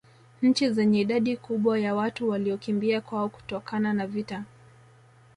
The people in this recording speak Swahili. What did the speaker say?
Nchi zenye idadi kubwa ya watu waliokimbia kwao kutokana na vita